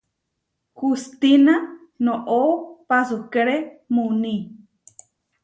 Hustína noʼó pasúkere muní.